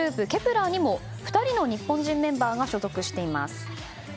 ｅｒにも２人の日本人メンバーが所属しています。